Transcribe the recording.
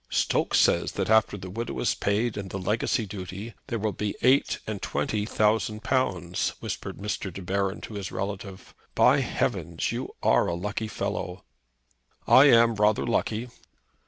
"Stokes says that after the widow is paid and the legacy duty there will be eight and twenty thousand pounds!" whispered Mr. De Baron to his relative. "By heavens! you are a lucky fellow." "I am rather lucky."